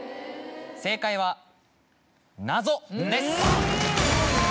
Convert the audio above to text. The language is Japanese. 正解は「ナゾ」です。